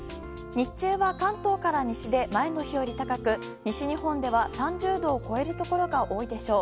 日中は関東から西で前の日より高く、西日本では３０度を超える所が多いでしょう。